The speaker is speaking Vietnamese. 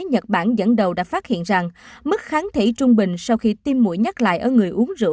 nhật bản dẫn đầu đã phát hiện rằng mức kháng thể trung bình sau khi tiêm mũi nhắc lại ở người uống rượu